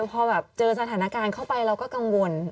พอแบบเจอสถานการณ์เข้าไปเราก็กังวล